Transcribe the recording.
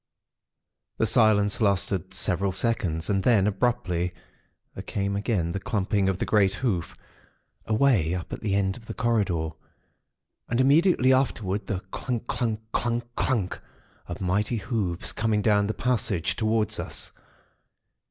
"The silence lasted several seconds; and then, abruptly, there came again the clumping of the great hoof, away up at the end of the corridor. And immediately afterwards, the clungk, clunck—clungk, clunck, of mighty hoofs coming down the passage, towards us.